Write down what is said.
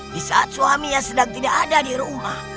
di saat suami yang sedang tidak ada di rumah